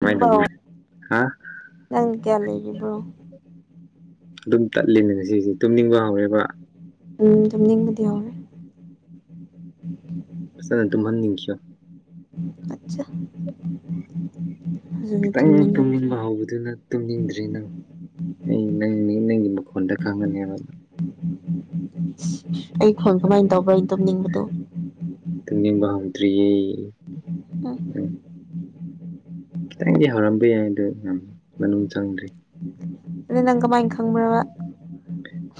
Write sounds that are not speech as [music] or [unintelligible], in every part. ꯀꯃꯥꯏꯅ ꯏꯪꯕꯧ ꯇꯧꯅꯤ ꯍꯥ ꯅꯪ ꯀꯌꯥ ꯂꯩꯔꯤꯕ꯭ꯔꯣ ꯑꯗꯨꯝ ꯇꯠꯂꯤꯅꯦ ꯉꯁꯤꯁꯦ ꯇꯨꯝꯅꯤꯡꯕ ꯍꯧꯔꯦꯕ ꯎꯝ ꯇꯨꯝꯅꯤꯡꯕꯗꯤ ꯌꯥꯎꯔꯦ ꯐꯖꯅ ꯇꯨꯝꯍꯟꯅꯤꯡꯈꯤꯌꯣ ꯑꯠꯆꯥ ꯍꯧꯖꯤꯛꯁꯨ ꯈꯤꯇꯪ ꯇꯨꯝꯅꯤꯡꯉꯛꯈ꯭ꯔꯦ ꯇꯨꯝꯅꯤꯡꯕ ꯍꯧꯕꯗꯨꯅ ꯇꯨꯝꯅꯤꯡꯗ꯭ꯔꯤ ꯅꯪ ꯑꯩ ꯅꯪꯅꯦ ꯅꯪꯒꯤ ꯃꯈꯣꯟꯗ ꯈꯪꯒꯅꯦꯕ ꯑꯩ ꯈꯣꯟ ꯀꯃꯥꯏꯅ ꯇꯧꯕ꯭ꯔꯥ ꯑꯩ ꯇꯨꯝꯅꯤꯡꯕꯗꯣ ꯇꯨꯝꯅꯤꯡꯕ ꯍꯧꯗ꯭ꯔꯤꯌꯦ ꯍꯨꯝ [unintelligible] ꯗꯤ ꯍꯧꯔꯝꯕ ꯌꯥꯏ ꯑꯗꯣ ꯄꯪ ꯃꯅꯨꯡ ꯆꯪꯗ꯭ꯔꯤ [unintelligible] ꯑꯗꯨ ꯅꯪ ꯀꯃꯥꯏ ꯈꯪꯕꯔꯥꯕ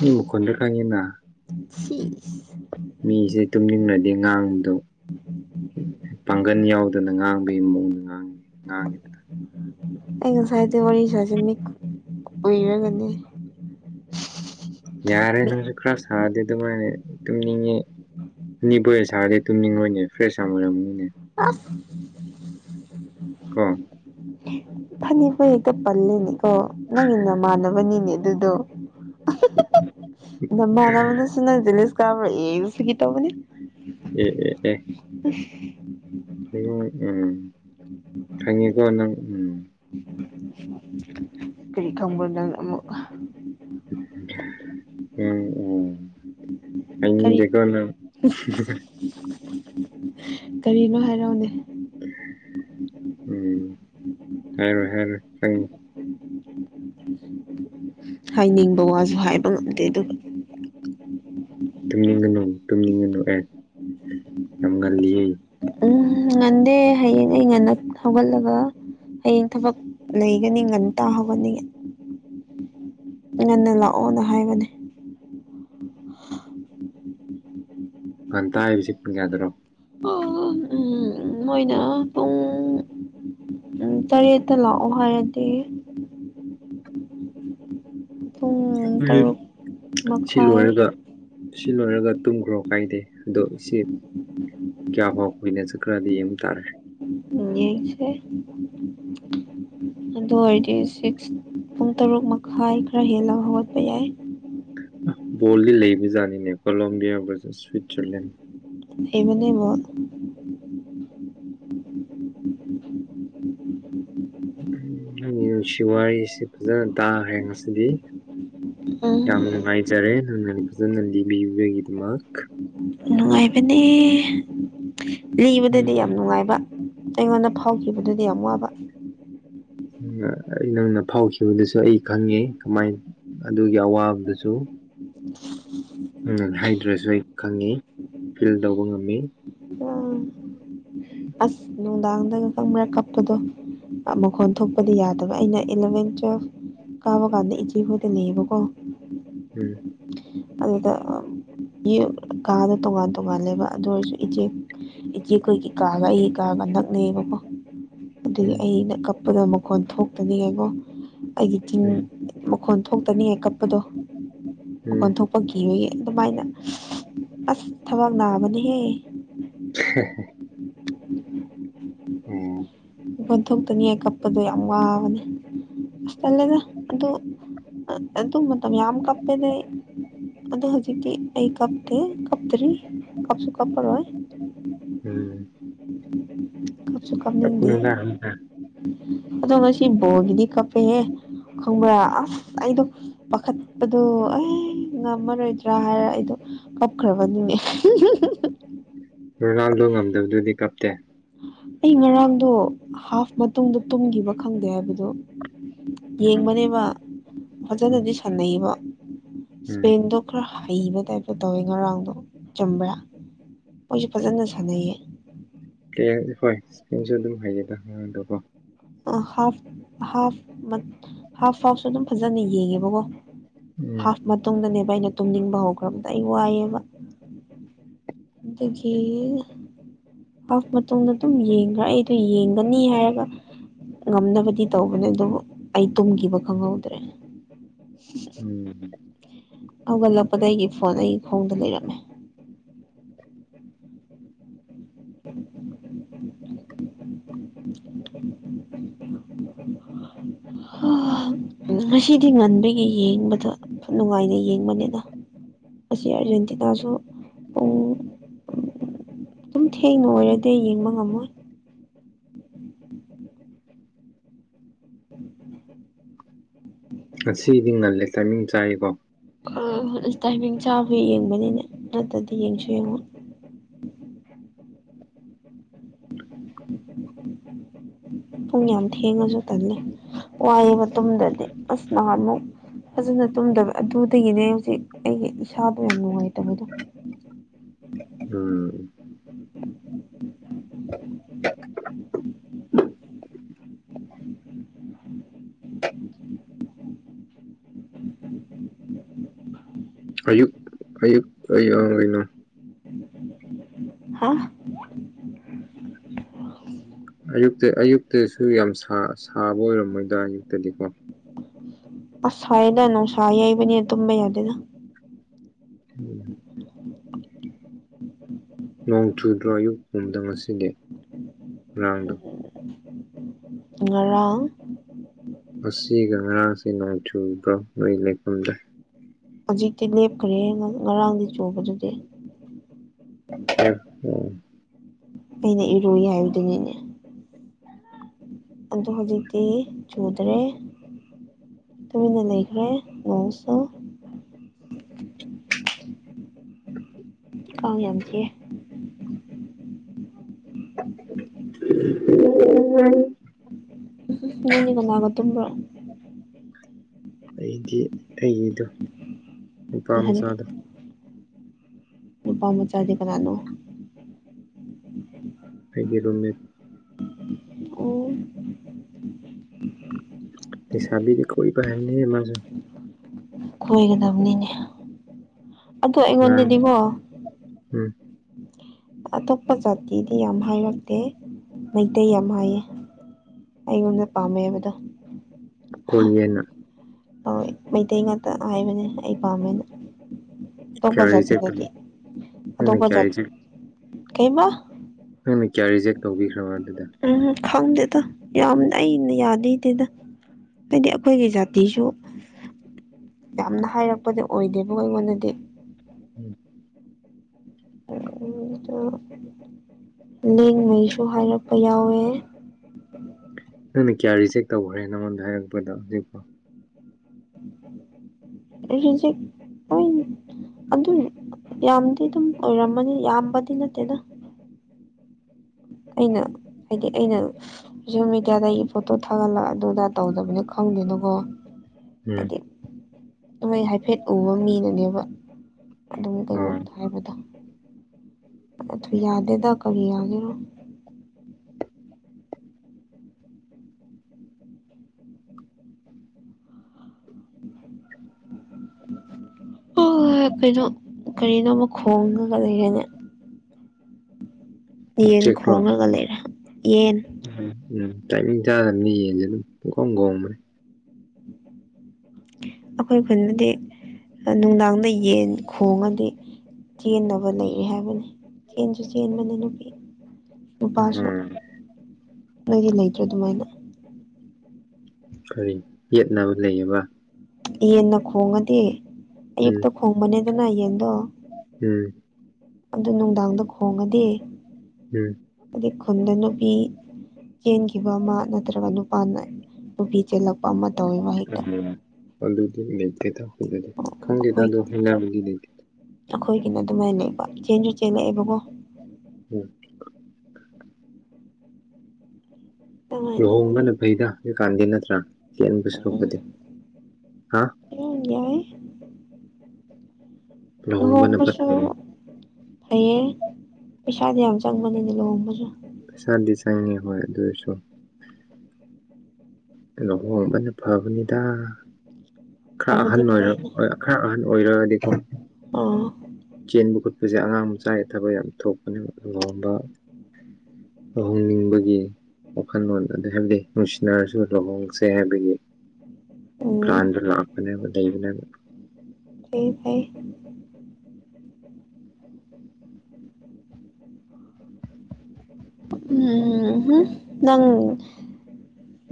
ꯅꯤ ꯃꯈꯣꯟꯗ ꯈꯪꯉꯤꯅ ꯁꯤꯁ ꯃꯤꯁꯦ ꯇꯨꯝꯅꯤꯡꯂꯗꯤ ꯉꯥꯡꯗꯣ ꯄꯥꯡꯒꯟ ꯌꯥꯎꯗꯅ ꯉꯥꯡꯕꯩ ꯃꯑꯣꯡ ꯉꯥꯡ ꯉꯥꯡꯉꯤꯗꯣ ꯑꯩ ꯉꯁꯥꯏꯗ ꯋꯥꯔꯤ ꯁꯥꯖꯟꯅꯤꯛ ꯎꯏꯔꯒꯅꯤ ꯌꯥꯔꯦ ꯃꯤꯠ ꯅꯪꯁꯨ ꯈꯔ ꯁꯥꯔꯗꯤ ꯑꯗꯨꯃꯥꯏꯅ ꯇꯨꯝꯅꯤꯡꯉꯤ ꯅꯤꯕ ꯍꯣꯏ ꯁꯥꯔꯗꯤ ꯇꯨꯝꯅꯤꯡꯣꯏꯅꯦ ꯐ꯭ꯔꯦꯁ ꯌꯥꯝ ꯑꯣꯏꯔꯝꯅꯤꯅꯦ ꯑꯥ ꯀꯣ ꯐꯅꯤꯕ ꯍꯦꯛꯇ ꯄꯜꯂꯤꯅꯦꯀꯣ ꯅꯪꯒꯤ ꯅꯃꯥꯟꯅꯕꯅꯤꯅꯦ ꯑꯗꯨꯗꯣ ꯅꯃꯥꯟꯅꯕꯅꯁꯨ ꯅꯪ ꯖꯦꯂꯁ ꯏꯁ ꯐꯒꯤ ꯇꯧꯕꯅꯤ ꯑꯦ ꯑꯦ ꯑꯦ [unintelligible] [unintelligible] ꯎꯝ ꯎꯝ ꯈꯪꯉꯤꯀꯣ ꯅꯪ ꯎꯝ ꯀꯔꯤ ꯈꯪꯕꯔꯣ ꯅꯪ ꯑꯃꯨꯛ ꯎꯝ ꯎꯝ ꯀꯔꯤ ꯍꯥꯏꯅꯤꯡꯗꯦꯀꯣ ꯅꯪ ꯀꯔꯤꯅꯣ ꯍꯥꯏꯔꯛꯑꯣꯅꯦ ꯎꯝ ꯍꯥꯏꯔꯣꯏ ꯍꯥꯏꯔꯣꯏ ꯈꯪ [unintelligible] ꯍꯥꯏꯅꯤꯡꯕ ꯋꯥꯁꯨ ꯍꯥꯏꯕ ꯉꯝꯗꯦ ꯑꯗꯨꯒ ꯇꯨꯝꯅꯤꯡꯉꯅꯨ ꯇꯨꯝꯅꯤꯡꯉꯅꯨ ꯑꯦ ꯌꯥꯝ ꯉꯜꯂꯤꯌꯦ ꯎꯝ ꯉꯟꯗꯦ ꯍꯌꯦꯡ ꯑꯩ ꯉꯟꯅ ꯍꯧꯒꯠꯂꯒ ꯍꯌꯦꯡ ꯊꯕꯛ ꯂꯩꯒꯅꯤ ꯉꯟꯇꯥ ꯍꯧꯒꯠꯅꯤꯡꯉꯦ ꯉꯟꯅ ꯂꯥꯛꯑꯣꯅ ꯍꯥꯏꯕꯅꯦ ꯉꯥꯟꯇ ꯍꯥꯏꯔꯤꯕꯁꯤ ꯄꯨꯡ ꯀꯌꯥꯗ꯭ꯔꯣ꯫ ꯃꯣꯏꯅ ꯄꯨꯡ꯫ ꯎꯝ ꯇꯔꯦꯠꯇ ꯂꯥꯛꯑꯣ ꯍꯥꯏꯔꯗꯤ꯫ ꯄꯨꯡ ꯎꯝ ꯇꯔꯨꯛ ꯁꯤ ꯃꯈꯥꯏ ꯂꯣꯏꯔꯒ꯫ ꯁꯤ ꯂꯣꯏꯔꯒ ꯇꯨꯝꯈ꯭ꯔꯣ ꯀꯥꯏꯗꯦ ꯑꯗꯣ ꯁꯤ꯫ ꯀꯌꯥ ꯐꯥꯎꯕ ꯀꯨꯏꯅ ꯆꯠꯈ꯭ꯔꯗꯤ ꯌꯦꯡꯕ ꯇꯥꯔꯦ꯫ ꯌꯦꯡꯁꯦ꯫ ꯑꯗꯨ ꯑꯣꯏꯔꯗꯤ ꯁꯤꯛꯁ ꯄꯨꯡ ꯇꯔꯨꯛ ꯃꯈꯥꯏ ꯈꯔ ꯍꯦꯜꯂꯒ ꯍꯧꯒꯠꯄ ꯌꯥꯏ꯫ ꯕꯣꯜꯗꯤ ꯂꯩꯕꯖꯥꯅꯤꯅꯦ ꯀꯣꯂꯣꯕꯤꯌꯥ ꯕꯔꯁꯦꯁ ꯁ꯭ꯋꯤꯠꯖꯔꯂꯦꯟ ꯍꯩꯕꯅꯦ ꯕꯣꯜ ꯎꯝ ꯅꯪꯒꯤ ꯅꯨꯡꯁꯤ ꯋꯥꯔꯤꯁꯤ ꯐꯖꯅ ꯇꯥꯈ꯭ꯔꯦ ꯉꯁꯤꯗꯤ ꯌꯥꯝ ꯎꯝ ꯅꯨꯡꯉꯥꯏꯖꯔꯦ ꯅꯪꯅ ꯐꯖꯅ ꯂꯤꯕꯤꯕꯒꯤꯗꯃꯛ ꯅꯨꯡꯉꯥꯏꯕꯅꯦ ꯎꯝ ꯂꯤꯕꯗꯗꯤ ꯌꯥꯝ ꯅꯨꯡꯉꯥꯏꯕ ꯑꯩꯉꯣꯟꯗ ꯐꯥꯎꯈꯤꯕꯗꯨꯗꯤ ꯌꯥꯝ ꯋꯥꯕ ꯅꯪꯅ ꯑꯩ ꯅꯪꯅ ꯐꯥꯎꯈꯤꯕꯗꯨꯁꯨ ꯑꯩ ꯈꯪꯉꯦ ꯀꯃꯥꯏ ꯑꯗꯨꯒꯤ ꯑꯋꯥꯕꯗꯨꯁꯨ [inaudible] ꯎꯝ ꯍꯥꯏꯗ꯭ꯔꯁꯨ ꯑꯩ ꯈꯪꯉꯤ ꯐꯤꯜ ꯇꯧꯕ ꯉꯝꯃꯤ꯫ ꯑ ꯑꯁ ꯅꯨꯡꯗꯥꯡꯗꯒ ꯈꯪꯕ꯭ꯔ ꯀꯥꯞꯄꯗꯣ꯫ ꯃꯈꯣꯟ ꯊꯣꯛꯄꯗꯤ ꯌꯥꯗꯕ ꯑꯩꯅ ꯏꯂꯚꯦꯟ ꯇꯨꯋꯦꯜꯐ ꯀꯥꯕ ꯀꯥꯟꯗ ꯏꯆꯦ ꯍꯣꯏꯒ ꯂꯩꯌꯦꯕꯀꯣ꯫ ꯎꯝ [unintelligible] ꯑꯗꯨꯗ ꯌꯨꯝ ꯀꯥꯗꯣ ꯇꯣꯉꯥꯟ ꯇꯣꯉꯟꯂꯦꯕ ꯑꯗꯨ ꯑꯣꯏꯔꯁꯨ꯫ ꯏꯆꯦ ꯏꯆꯦꯈꯣꯏ ꯒꯤ ꯀꯥꯒ ꯑꯩꯒꯤ ꯀꯥꯒ ꯅꯛꯅꯩꯌꯦꯕꯣ꯫ ꯑꯗꯨꯒꯤ ꯎꯝ ꯑꯩꯅ ꯀꯞꯄꯗꯣ ꯃꯈꯣꯟ ꯊꯣꯛꯇꯒꯤ ꯌꯦꯡꯉꯣ ꯑꯩꯒꯤ ꯆꯤꯟ꯫ ꯃꯈꯣꯟ ꯊꯣꯛꯇꯅꯤꯌꯦ ꯀꯞꯄꯗꯣ ꯎꯝ ꯃꯈꯣꯟ ꯊꯣꯛ ꯄꯥꯒꯤꯅꯤ ꯑꯗꯨꯃꯥꯏꯅ ꯑꯁ ꯊꯕꯥꯛ ꯅꯥꯕꯅꯦꯍꯦ꯫ [unintelligible] ꯎꯝ꯫ ꯑꯣꯟꯊꯣꯛꯇꯅꯤꯡꯉꯥꯏ ꯀꯞꯄꯗꯣ ꯌꯥꯝ ꯋꯥꯕꯅꯦ꯫ ꯑꯁ ꯇꯟꯂꯦꯗ ꯑꯗꯨ ꯑꯗꯨ ꯃꯥꯇꯝ ꯌꯥꯝ ꯀꯞꯄꯦꯗ ꯑꯩ꯫ ꯑꯗꯣ ꯍꯧꯖꯤꯛꯇꯤ ꯑꯩ ꯀꯞꯇꯦ ꯀꯞꯇ꯭ꯔꯤ ꯀꯞꯁꯨ ꯀꯞꯄꯔꯣꯏ꯫ ꯎꯝ꯫ ꯀꯞꯁꯨ ꯀꯞꯅꯤꯡꯗꯤ꯫ [inaudible] ꯑꯗꯣ ꯉꯁꯤ ꯕꯣꯔꯒꯤꯗꯤ ꯀꯞꯄꯦꯍꯦ ꯈꯪꯕ꯭ꯔꯥ ꯑꯁ ꯑꯩꯗꯨ꯫ ꯄꯥꯈꯠꯄꯗꯨ ꯑꯦ ꯉꯝꯃꯔꯣꯏꯗ꯭ꯔꯥ ꯍꯥꯏꯔ ꯑꯩꯗꯣ꯫ ꯀꯞꯈꯔꯦꯕ ꯑꯗꯨꯏꯅꯦ꯫ ꯔꯣꯅꯥꯜꯗꯣ ꯉꯝꯗꯕꯗꯨꯗꯤ ꯀꯞꯇꯦ꯫ ꯑꯩ ꯉꯔꯥꯡꯗꯣ ꯍꯥꯐ ꯃꯇꯨꯡꯗ ꯇꯨꯝꯈꯤꯕ ꯈꯪꯗꯦ ꯍꯥꯏꯕꯗꯣ꯫ ꯎꯝ ꯌꯦꯡꯕꯅꯦꯕ ꯎꯝ ꯐꯖꯅꯗꯤ ꯁꯥꯟꯅꯩꯌꯦꯕ ꯎꯝ ꯏꯁꯄꯦꯟꯗꯣ꯫ ꯈꯔ ꯍꯩꯕ ꯇꯥꯏꯞꯇ ꯇꯧꯋꯦ ꯉꯔꯥꯡꯗꯣ ꯆꯨꯝꯕ꯭ꯔꯥ ꯃꯣꯏꯁꯨ ꯐꯖꯅ ꯁꯥꯟꯅꯩꯌꯦ꯫ [unintelligible] ꯍꯣꯏ ꯏꯁꯄꯦꯟꯁꯨ ꯑꯗꯨꯝ ꯍꯩꯌꯦꯗ ꯉꯥꯔꯥꯡꯗꯨꯀꯣ꯫ ꯑ ꯍꯥꯐ ꯍꯥꯐ ꯍꯥꯐ ꯍꯥꯥꯐ ꯑꯗꯨꯝ ꯐꯖꯅ ꯌꯦꯡꯉꯦꯕꯀꯣ꯫ ꯎꯝ ꯍꯥꯐ ꯃꯇꯨꯡꯗꯅꯦꯕ ꯑꯩꯅ ꯇꯨꯝꯅꯤꯡꯕ ꯍꯧꯈ꯭ꯔꯕꯗꯨ ꯑꯩ ꯋꯥꯏꯑꯦꯕ꯫ ꯑꯗꯒꯤ꯫ ꯍꯥꯐ ꯃꯇꯨꯡꯗ ꯑꯗꯨꯝ ꯌꯦꯡꯈ꯭ꯔꯥ ꯑꯩꯗꯣ ꯌꯦꯡꯒꯅꯤ ꯍꯥꯏꯔꯒ꯫ ꯉꯝꯅꯕꯗꯤ ꯇꯧꯕꯅꯦ ꯑꯗꯨꯕꯨ ꯑꯩ ꯇꯨꯝꯈꯤꯕ ꯈꯪꯍꯧꯗ꯭ꯔꯦ꯫ [inaudible] ꯎꯝ꯫ ꯍꯧꯒꯠꯂꯛꯄꯗ ꯑꯩꯒꯤ ꯐꯣꯟ ꯑꯩꯒꯤ ꯈꯣꯡꯗ ꯂꯩꯔꯝꯃꯦ [inaudible] ꯉꯁꯤꯗꯤ ꯉꯟꯕꯒꯤ ꯌꯦꯡꯕꯗ ꯅꯨꯡꯉꯥꯏꯅ ꯌꯦꯡꯕꯅꯤꯅ ꯑꯁꯤ ꯑꯔꯖꯦꯟꯇꯤꯅꯥꯁꯨ ꯑ ꯑꯗꯨꯝ ꯊꯦꯡꯅ ꯑꯣꯏꯔꯗꯤ ꯌꯦꯡꯕ ꯉꯝꯃꯣꯏ [inaudible] ꯉꯁꯤꯗꯤ ꯉꯜꯂꯦ ꯇꯥꯏꯃꯤꯡ ꯆꯥꯔꯤꯀꯣ ꯑ ꯇꯥꯏꯃꯤꯡ ꯆꯥꯕ ꯌꯦꯡꯕꯅꯤꯅꯦ ꯅꯠꯇ꯭ꯔꯗꯤ ꯌꯦꯡꯁꯨ ꯌꯦꯡꯉꯣ [inaudible] ꯄꯨꯡ ꯌꯥꯝ ꯊꯦꯡꯉꯁꯨ ꯇꯜꯂꯦ ꯋꯥꯏꯌꯦꯕ ꯃꯇꯨꯡꯗꯔꯗꯤ ꯑꯁ ꯅꯍꯥꯟꯃꯨꯛ꯫ ꯐꯖꯅ ꯇꯨꯝꯗꯕ ꯑꯗꯨꯗꯒꯤꯅꯦ ꯍꯧꯖꯤꯛ ꯑꯩꯒꯤ ꯏꯁꯥꯗꯣ ꯌꯥꯝ ꯅꯨꯡꯉꯥꯏꯇꯕꯗꯣ꯫ ꯎꯝ꯫ ꯑꯌꯨꯛ ꯑꯌꯨꯛ ꯀꯩꯗꯧꯔꯤꯅꯣ꯫ [inaudible] ꯍꯥ꯫ ꯑꯌꯨꯛꯇ ꯑꯌꯨꯛꯇꯁꯨ ꯌꯥꯝ ꯁꯥ ꯁꯥꯕ ꯑꯣꯏꯔꯝꯃꯣꯏꯗ ꯑꯌꯨꯛꯇꯗꯤ ꯀꯣ꯫ ꯑꯁ ꯁꯥꯌꯦꯗ ꯅꯨꯉꯁꯥ ꯌꯩꯕꯅꯤꯅꯥ ꯇꯨꯝꯕ ꯌꯥꯗꯦꯗ꯫ [inaudible] [inaudible] ꯅꯣꯡ ꯆꯨꯗ꯭ꯔꯣ ꯑꯌꯨꯛ ꯄꯨꯝꯗꯪ ꯉꯁꯤꯗꯤ ꯉꯔꯥꯡꯗꯣ ꯉꯔꯥꯡ ꯉꯥꯁꯤꯒ ꯉꯔꯥꯡꯁꯤ ꯅꯣꯡ ꯆꯨꯗꯣ ꯅꯣꯏ ꯂꯩꯐꯝꯗ ꯍꯧꯖꯤꯛꯇꯤ ꯂꯦꯞꯈ꯭ꯔꯦ ꯉꯔꯥꯡꯗꯤ ꯆꯨꯕꯗꯨꯗꯤ ꯎ ꯎꯝ ꯑꯩꯅ ꯏꯔꯣꯏ ꯍꯥꯏꯕꯗꯨꯅꯤꯅꯦ ꯑꯗꯣ ꯍꯧꯖꯤꯛꯇꯤ ꯆꯨꯗ꯭ꯔꯦ ꯇꯨꯃꯤꯟꯅꯥ ꯂꯩꯈꯔꯦ ꯅꯉ ꯆꯣ ꯀꯥꯎ ꯌꯥꯝ ꯆꯤꯛꯑꯦ [inaudible] ꯅꯥꯪꯗꯤ ꯀꯅꯥꯒꯥ ꯇꯨꯝꯕ꯭ꯔꯣ ꯑꯩꯗꯤ ꯑꯩꯒꯤꯗꯣ ꯅꯨꯄꯥ ꯅꯊꯟꯇ ꯃꯆꯥꯗꯣ ꯅꯨꯄꯥ ꯃꯆꯥꯗꯤ ꯀꯅꯥꯅꯣ ꯑꯩꯒꯤ ꯔꯨꯝꯃꯦꯠ ꯑꯣ ꯂꯩꯁꯥꯕꯤꯗꯤ ꯀꯣꯏꯕ ꯍꯥꯏꯔꯅꯤꯃꯁꯨ ꯀꯣꯏꯒꯗꯕꯅꯤꯅꯦ ꯑꯗꯣ ꯉꯔꯥꯡ ꯑꯩꯉꯣꯟꯗꯗꯤ ꯀꯣ ꯎꯝ ꯑꯇꯣꯞꯄ ꯖꯥꯇꯤꯗꯤ ꯌꯥꯝ ꯍꯥꯏꯔꯛꯇꯦ ꯃꯩꯇꯩ ꯌꯥꯝ ꯍꯥꯏꯌꯦ ꯑꯩꯉꯣꯟꯗ ꯄꯥꯝꯃꯦ ꯍꯥꯏꯕꯗꯣ ꯀꯣꯌꯦꯅ ꯑ ꯃꯩꯇꯩ ꯉꯥꯛꯇ ꯍꯥꯏꯕꯅꯦ ꯑꯩ ꯄꯥꯝꯃꯦꯅ ꯑꯇꯣꯞꯄ ꯀꯌꯥ ꯔꯤꯖꯦꯛ ꯖꯥꯇꯤꯅ ꯇꯧ ꯅꯪꯅ ꯑꯇꯣꯄꯖ ꯀꯌꯥ ꯔꯤꯖꯦꯛ ꯀꯩꯃ ꯅꯪꯅ ꯀꯌꯥ ꯔꯤꯖꯦꯛ ꯇꯧꯕꯤꯈ꯭ꯔꯕ ꯑꯗꯨꯗꯤ ꯎꯝ ꯈꯪꯗꯦꯗ ꯌꯥꯝꯅ ꯑꯩꯅ ꯌꯥꯗꯦꯗꯦꯗ ꯍꯥꯏꯗꯤ ꯑꯩꯈꯣꯏꯒꯤ ꯖꯥꯇꯤꯁꯨ ꯌꯥꯝꯅ ꯍꯥꯏꯔꯛꯄꯗꯤ ꯑꯣꯏꯗꯦꯕ ꯑꯩꯉꯣꯟꯗꯗꯤ [inaudible] ꯂꯦꯡꯉꯩꯁꯨ ꯍꯥꯏꯔꯛꯄ ꯌꯥꯎꯋꯦ ꯅꯪꯅ ꯀꯌꯥ ꯔꯤꯖꯦꯛ ꯇꯧꯈ꯭ꯔꯦ ꯅꯪꯉꯣꯟꯗ ꯍꯥꯏꯔꯛꯄꯗꯣ ꯍꯧꯖꯤꯛꯐꯥꯎ ꯖꯦꯛ ꯑꯣꯏ ꯑꯗꯨ ꯌꯥꯝꯗꯤ ꯑꯗꯨꯝ ꯑꯣꯏꯔꯝꯃꯅꯤ ꯌꯥꯝꯕꯗꯤ ꯅꯠꯇꯦꯗ ꯑꯩꯅ ꯍꯥꯏꯗꯤ ꯑꯩꯅ ꯁꯣꯁꯦꯜ ꯃꯦꯗꯤꯌꯥꯗ ꯑꯩꯒꯤ ꯄꯣꯠꯇꯣ ꯊꯥꯒꯠꯂ ꯑꯗꯨꯗ ꯇꯧꯗꯕꯅ ꯈꯪꯗꯦꯅꯀꯣ ꯎꯝ ꯍꯥꯏꯗꯤ ꯃꯣꯏ ꯍꯥꯏꯐꯦꯠ ꯎꯕ ꯃꯤꯗꯨꯅꯦꯕ ꯑꯗꯨꯝ ꯀꯩ ꯑꯣ ꯍꯥꯏꯕꯗ ꯊ ꯌꯥꯗ ꯑꯦꯗ ꯀꯔꯤ ꯌꯥꯒꯦ ꯍꯣꯏ ꯍꯣꯏ ꯍꯣꯏ ꯀꯩꯅꯣ ꯀꯔꯤꯅꯣꯃ ꯈꯣꯡꯉꯒ ꯂꯩꯒꯅꯦ ꯌꯦꯟ ꯎꯆꯦꯛꯔꯣ ꯈꯣꯡꯉꯒ ꯂꯩꯔꯦ ꯌꯦꯟ ꯎꯝ ꯎꯝ ꯇꯥꯏꯃꯤꯡ ꯆꯥꯗꯅꯤ ꯌꯦꯡꯁꯦ ꯑꯗꯨꯝ ꯄꯡꯈꯣꯡ ꯈꯣꯡꯕꯅꯦ ꯑꯩꯈꯣꯏ ꯈꯨꯟꯗꯗꯤ ꯅꯨꯡꯗꯥꯡꯗ ꯌꯦꯟ ꯈꯣꯡꯉꯗꯤ ꯆꯦꯟꯅꯕ ꯂꯩꯔꯦ ꯍꯥꯏꯕꯅꯤ ꯆꯦꯟꯁꯨ ꯆꯦꯟꯕꯅꯦ ꯅꯨꯄꯤ ꯅꯨꯄꯥꯁꯨ ꯎꯝ ꯂꯣꯏꯗꯤ ꯂꯩꯇ꯭ꯔꯦ ꯑꯗꯨꯃꯥꯏꯅ ꯀꯔꯤ ꯌꯦꯠꯅꯕ ꯂꯩꯌꯦꯕ ꯌꯦꯟꯅ ꯈꯣꯡꯉꯗꯤ ꯎꯝ ꯑꯌꯨꯛꯇ ꯈꯣꯡꯕꯅꯦꯗꯅ ꯌꯦꯟꯗꯣ ꯎꯝ ꯑꯗꯨ ꯅꯨꯡꯗꯥꯡꯗ ꯈꯣꯡꯉꯗꯤ ꯎꯝ ꯑꯗꯩ ꯈꯨꯟꯗ ꯅꯨꯄꯤ ꯆꯦꯟꯈꯤꯕ ꯑꯃ ꯅꯠꯇ꯭ꯔꯒ ꯅꯨꯄꯥꯅ ꯅꯨꯄꯤ ꯆꯦꯜꯂꯛꯄ ꯑꯃ ꯇꯧꯋꯤ ꯋꯥꯍꯤꯩꯛꯇꯪ ꯎꯝ ꯑꯗꯨꯗꯤ ꯅꯇꯦ ꯇꯥꯛꯗꯗꯤ ꯈꯪꯗꯦꯗ ꯑꯩꯈꯣꯏꯒꯤ ꯑꯗꯨꯣ ꯍꯅꯗꯤ ꯅꯇꯦ ꯑꯩꯈꯣꯏꯒꯤꯅ ꯑꯗꯨꯃꯥꯏꯅ ꯂꯩꯕ ꯆꯦꯟꯁꯨ ꯆꯦꯜꯂꯛꯑꯦꯕꯀꯣ ꯎꯝ ꯑꯗꯨꯃꯥꯏꯅ ꯂꯨꯍꯣꯡꯕꯅ ꯐꯩꯗ ꯍꯧꯖꯤ ꯀꯥꯟꯗꯤ ꯅꯠꯇ꯭ꯔꯥ ꯌꯦꯦꯟꯕ ꯁ ꯂꯨꯄꯗꯤ ꯍꯥ ꯑꯣꯏꯔ ꯌꯥꯏ ꯂꯨꯍꯣꯡꯕꯅ ꯐꯠꯇ꯭ꯔꯣ ꯍꯣꯝꯁꯨꯣ ꯍꯌꯦꯌꯦꯡ ꯄꯩꯁꯥꯗꯤ ꯌꯥꯝ ꯆꯪꯕꯅꯤꯅꯦ ꯂꯨꯍꯣꯡꯕꯁꯨ ꯄꯩꯁꯥ ꯗꯤꯖꯥꯏꯟꯅꯤ ꯍꯣꯏ ꯑꯗꯨꯁꯨ ꯀꯩꯅꯣ ꯍꯣꯡꯕꯅ ꯐꯕꯅꯤꯗ ꯈꯔ ꯑꯍꯟ ꯐꯕꯨꯗꯤ ꯑꯣꯏꯔ ꯐꯩꯅꯦ ꯈꯔ ꯑꯍꯟ ꯑꯣꯏꯔꯛꯑꯗꯤꯀꯣ ꯑꯥ ꯆꯦꯟꯕ ꯈꯣꯠꯄꯁꯦ ꯑꯉꯥꯡ ꯃꯆꯥꯒꯤ ꯊꯕꯛ ꯌꯥꯝ ꯊꯣꯛꯄꯅꯦ ꯑꯗꯨꯒ ꯋꯥꯡꯕ ꯇꯧꯍꯣꯡꯅꯤꯡꯕꯒꯤ ꯋꯥꯈꯜꯂꯣꯟ ꯑꯗꯨ ꯍꯥꯏꯕꯗꯤ ꯅꯨꯡꯁꯤꯅꯔꯁꯨ ꯁꯨ ꯂꯨꯍꯣꯡꯁꯦ ꯍꯥꯏꯕꯒꯤ ꯄ꯭ꯂꯥꯟꯗꯣ ꯂꯥꯛꯄꯅꯦꯕ ꯂꯩꯕꯅꯦꯕ ꯁꯤ ꯐꯥꯏ ꯎꯝꯝ ꯅ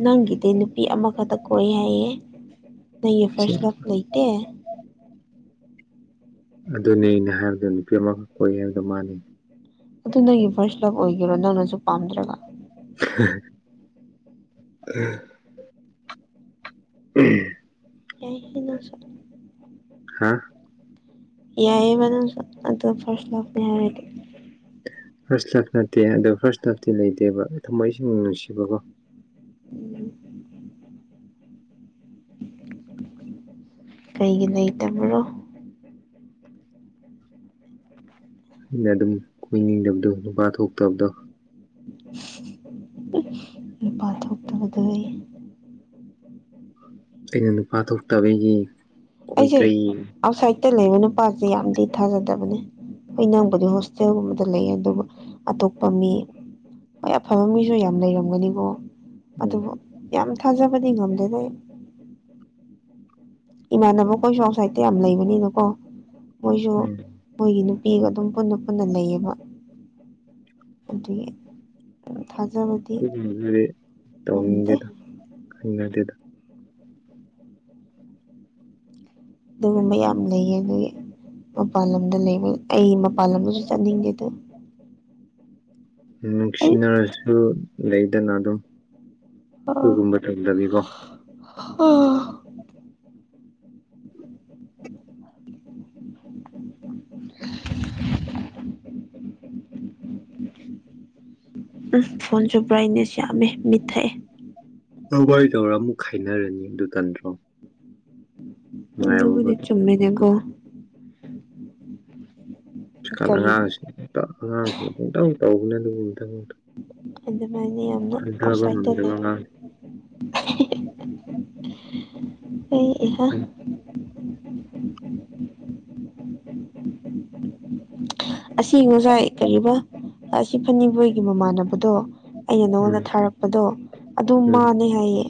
ꯅꯪꯒꯤꯗꯤ ꯅꯨꯄꯤ ꯑꯃꯈꯛꯇ ꯀꯣꯏ ꯍꯥꯏꯌꯦꯦ ꯅꯪꯒꯤ ꯁꯦ ꯐꯥꯔꯁ ꯂꯛ ꯂꯩꯇꯦ ꯑꯗꯨꯅꯦ ꯑꯩꯅ ꯍꯥꯏꯕꯗꯣ ꯅꯨꯄꯤ ꯑꯃꯒꯛ ꯀꯣꯏꯏ ꯍꯥꯏꯕꯗꯣ ꯃꯥꯅꯤ ꯑꯗꯨ ꯅꯪꯒꯤ ꯐꯥꯔꯁ ꯂꯞ ꯑꯣꯏꯒꯦꯔꯣ ꯅꯪꯅꯁꯨ ꯄꯥꯝꯗ꯭ꯔꯒ ꯎ ꯎꯝ ꯀꯅ ꯍꯥꯥ ꯌꯥꯏꯕꯅ ꯑ ꯐꯁ ꯂꯅꯤ ꯍꯥꯏꯗꯤ ꯐꯥꯔꯁ ꯂꯞ ꯅꯠꯇꯦ ꯑꯗꯣ ꯐꯥꯔꯁ ꯂꯐꯇꯤ ꯂꯩꯇꯦꯕ ꯊꯝꯃꯣꯏ ꯏꯁꯤꯡ ꯅꯨꯡꯁꯤꯕꯀꯣ [inaudible] ꯀꯩꯒꯤ ꯂꯩꯇꯕ꯭ꯔꯣ [inaudible] ꯑꯩꯅ ꯑꯗꯨꯝ ꯀꯣꯏꯅꯤꯡꯗꯕꯗꯣ ꯅꯨꯄꯥ ꯊꯣꯛꯇꯕꯗꯣ ꯄꯥꯊꯣꯛ ꯇꯗꯣꯏ ꯑꯩꯅ ꯅꯨꯄꯥ ꯊꯣꯛꯇꯕ ꯑꯩꯒꯤ ꯑꯩꯁꯦ ꯑꯥꯎꯠꯁꯥꯏꯗꯇ ꯂꯩꯕ ꯅꯨꯄꯥꯁꯦ ꯌꯥꯝꯗꯤ ꯊꯥꯖꯗꯕꯅꯦ ꯍꯣꯏ ꯅꯪꯕꯨꯗꯤ ꯍꯣꯁꯇꯦꯜꯒꯨꯝꯕꯗ ꯂꯩ ꯑꯗꯨꯕꯨ ꯑꯇꯣꯞꯄ ꯃꯤ ꯍꯣꯏ ꯑꯐꯕ ꯃꯤꯁꯨ ꯌꯥꯝ ꯂꯩꯔꯝꯒꯅꯤꯀꯣ ꯑꯗꯨꯕꯨ ꯌꯥꯝ ꯊꯥꯖꯕꯗꯤ ꯉꯝꯗꯗꯦ ꯑꯩ ꯏꯃꯥꯟꯅꯕꯈꯣꯏꯁꯨ ꯑꯥꯎꯠꯁꯥꯏꯗꯇ ꯌꯥꯝ ꯂꯩꯕꯅꯤꯅꯀꯣ ꯃꯣꯏꯁꯨ ꯎꯝ ꯃꯣꯏꯒꯤ ꯅꯨꯄꯤꯒ ꯑꯗꯨꯝ ꯄꯨꯟꯅ ꯄꯨꯟꯅ ꯂꯩꯌꯦꯕ ꯑꯗꯨꯒꯤ ꯊꯥꯖꯕ ꯑꯗꯨꯒꯨꯝꯅꯗꯨꯗꯤ ꯇꯧꯅꯤꯡꯗꯦꯗ ꯍꯩꯅꯗꯦꯗ ꯑꯗꯨꯒꯨꯝꯕ ꯌꯥꯝ ꯂꯩꯌꯦ ꯑꯗꯨꯒꯤ ꯃꯄꯥꯟ ꯂꯝꯗ ꯂꯩꯕ ꯑꯩ ꯃꯄꯥꯟ ꯂꯝꯗꯁꯨ ꯆꯠꯅꯤꯡꯗꯦ ꯗꯨ ꯑꯩ ꯅꯨꯡꯁꯤꯅꯔꯁꯨ ꯂꯩꯗꯅ ꯑꯗꯨꯝ ꯗꯨꯒꯨꯝꯕ ꯊꯝꯗꯕꯤꯀꯣ ꯎꯝ [inaudible] ꯎ ꯐꯣꯟꯁꯨ ꯕ꯭ꯔꯥꯏꯠꯅꯦꯁ ꯌꯥꯝꯃꯦ ꯃꯤꯠꯊꯛꯑꯦ ꯋꯥꯔꯤꯣꯏꯗꯧꯔ ꯑꯃꯨꯛ ꯈꯥꯏꯅꯔꯅꯤ ꯑꯗꯨ ꯅꯟꯗ꯭ꯔꯣ ꯎꯕꯨꯗꯤ ꯆꯨꯝꯃꯦꯗꯒꯣ ꯍꯧꯖꯤꯛꯀꯥꯟ ꯀꯥꯟ ꯀꯔꯤꯕꯨ ꯑꯉꯥꯡꯁꯤ ꯑꯉꯥꯡꯁꯤꯅ ꯑꯃꯨꯛꯇꯪ ꯇꯧꯧꯕꯅꯦ ꯑꯗꯨꯕꯨ ꯑꯃꯇꯪ ꯑꯃ ꯑꯗꯨꯃꯥꯏꯅ ꯌꯥꯝꯅ ꯑꯥꯎꯠꯁꯥꯏ ꯇ ꯉꯝꯗꯕ ꯂꯩꯔ ꯑꯉꯥꯡ ꯑꯩ ꯏꯍ ꯎꯝ [inaudible] [inaudible] ꯑꯁꯤ ꯉꯁꯥꯏ ꯀꯔꯤꯕ ꯑꯁꯤ ꯐꯅꯤꯕꯣꯏꯒꯤ ꯃꯃꯥꯟꯅꯕꯗꯣ ꯑꯩꯅ ꯎꯝ ꯅꯪꯉꯣꯟꯗ ꯊꯥꯔꯛꯄꯗꯣ ꯑꯗꯨ ꯎꯝ ꯃꯥꯥꯅꯦ ꯍꯥꯏꯌꯦ